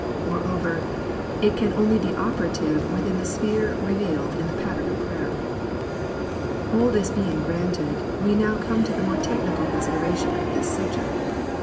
Moreover, it can only be operative within the sphere revealed in the pattern prayer. All this being granted, we now come to the more technical consideration of this subject.